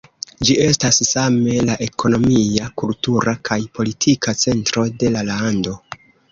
Ĝi estas same la ekonomia, kultura kaj politika centro de la lando.